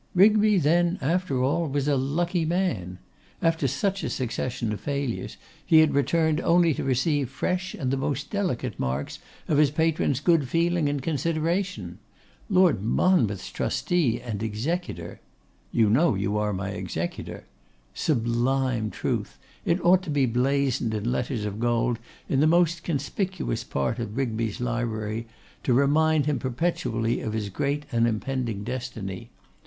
Rigby then, after all, was a lucky man. After such a succession of failures, he had returned only to receive fresh and the most delicate marks of his patron's good feeling and consideration. Lord Monmouth's trustee and executor! 'You know you are my executor.' Sublime truth! It ought to be blazoned in letters of gold in the most conspicuous part of Rigby's library, to remind him perpetually of his great and impending destiny.